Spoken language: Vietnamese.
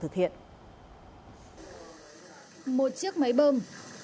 một chiếc máy bơm